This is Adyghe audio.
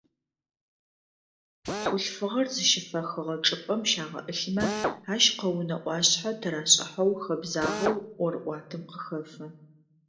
Хъулъфыгъэр зыщыфэхыгъэ чӏыпӏэм щагъэӏылъмэ, ащ къэунэ ӏуашъхьэ тырашӏыхьэу хэбзагъэу ӏорыӏуатэм къыхэфэ.